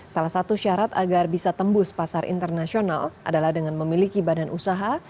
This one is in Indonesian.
salah satu syarat agar bisa tembus pasar internasional adalah dengan memiliki badan usaha